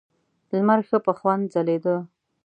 لمر ښه په خوند ځلېده.